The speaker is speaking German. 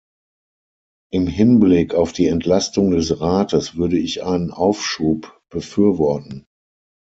Im Hinblick auf die Entlastung des Rates würde ich einen Aufschub befürworten.